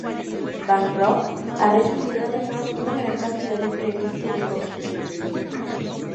Bancroft ha recibido además una gran cantidad de premios y reconocimientos.